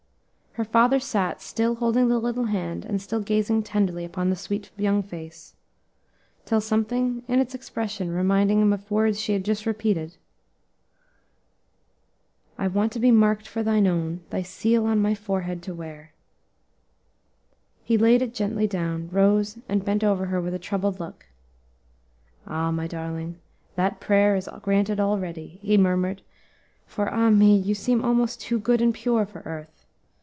Her father sat, still holding the little hand, and still gazing tenderly upon the sweet young face, till, something in its expression reminding him of words she had just repeated, "I want to be marked for thine own Thy seal on my forehead to wear," he laid it gently down, rose, and bent over her with a troubled look. "Ah, my darling, that prayer is granted already!" he murmured; "for, ah me! you seem almost too good and pure for earth.